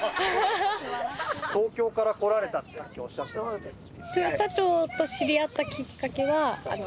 そうです。